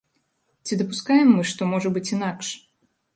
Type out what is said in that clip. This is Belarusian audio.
Ці дапускаем мы, што можа быць інакш?